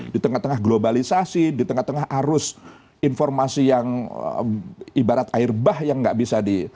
di tengah tengah globalisasi di tengah tengah arus informasi yang ibarat air bah yang nggak bisa di